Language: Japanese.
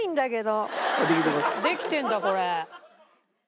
できてるんだこれ。